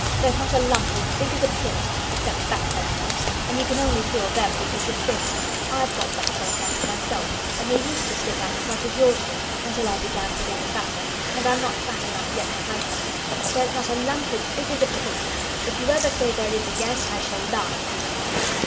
"There's not a lump as big as a pin—except backbone lumps, and you can only feel them because you're thin. I've got backbone lumps myself, and they used to stick out as much as yours do, until I began to get fatter, and I am not fat enough yet to hide them. There's not a lump as big as a pin! If you ever say there is again, I shall laugh!"